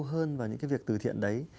hơn vào những cái việc từ thiện đấy